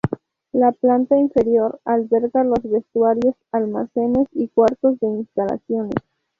La planta inferior alberga los vestuarios, almacenes y cuartos de instalaciones.